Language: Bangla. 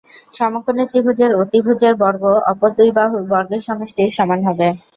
সমকোণী ত্রিভুজের অতিভুজের বর্গ অপর দুই বাহুর বর্গের সমষ্টির সমান হবে।